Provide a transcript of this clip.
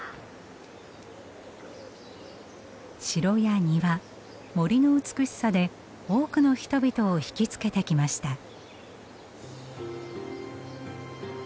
城や庭森の美しさで多くの人々を引き付けてきました。